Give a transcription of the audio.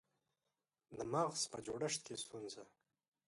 د مغز په جوړښت کې ستونزه